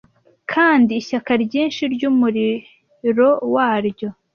kandi ishyaka ryinshi ry'umuriro waryo